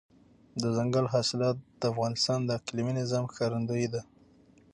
دځنګل حاصلات د افغانستان د اقلیمي نظام ښکارندوی ده.